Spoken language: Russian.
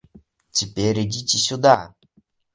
Теперь идите сюда.